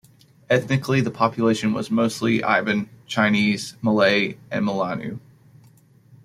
Ethnically, the population was mostly Iban, Chinese, Malay, and Melanau.